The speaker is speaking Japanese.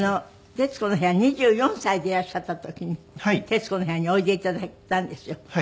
『徹子の部屋』２４歳でいらっしゃった時に『徹子の部屋』においで頂いたんですよ。